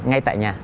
ngay tại nhà